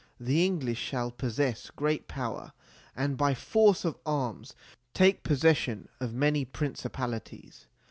The English shall possess great power and by force of arms take possession of many principalities.